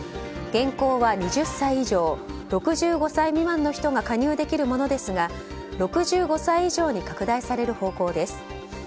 現行は２０歳以上６５歳未満の人が加入できるものですが６５歳以上に拡大される方向です。